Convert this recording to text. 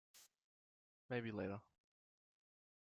Maybe later.